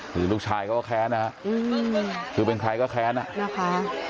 คือลูกชายเขาก็แค้นนะฮะคือเป็นใครก็แค้นอ่ะนะคะ